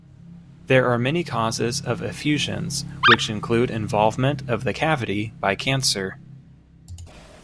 There are many causes of effusions which include involvement of the cavity by cancer.